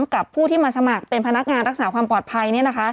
กับผู้ที่มาสมัครเป็นพนักงานรักษาความปลอดภัย